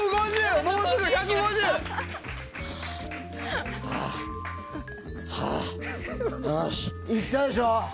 よしいったでしょ？